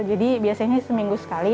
jadi biasanya seminggu sekali